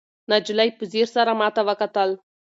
نجلۍ په ځیر سره ماته وکتل.